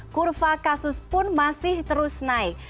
kurva kasus pun masih terus naik